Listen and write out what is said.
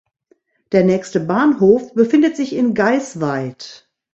Der nächste Bahnhof befindet sich in Geisweid.